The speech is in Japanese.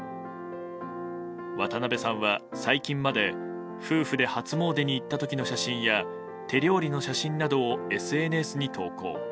渡辺さんは最近まで夫婦で初詣に行った時の写真や手料理の写真などをＳＮＳに投稿。